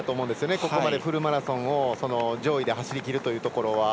ここまでフルマラソンを上位で走りきるというところは。